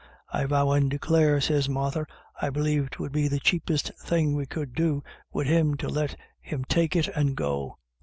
' I vow and declare/ sez Martha, ' I believe 'twould be the chapest thing we could do wid him, to let him take it and go.